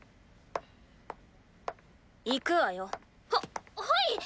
行くわよ。ははい！